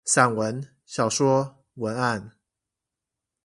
散文、小說、文案